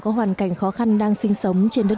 có hoàn cảnh khó khăn đang sinh sống